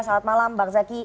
salam malam bang zaki